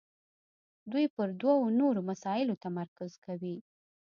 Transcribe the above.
دوی پر دوو نورو مسایلو تمرکز کوي.